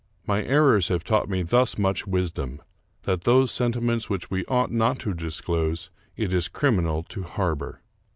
My errors have taught me thus much wis dom :— that those sentiments which we ought not to disclose it is criminal to harbor.